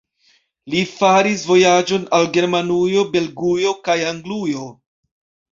Li faris vojaĝojn al Germanujo, Belgujo kaj Anglujo.